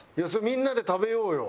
みんなで食べようよ。